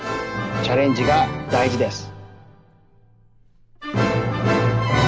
チャレンジがだいじです。